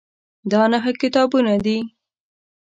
دا نهه کتابونه دي.